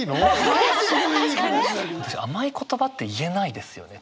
甘い言葉って言えないですよね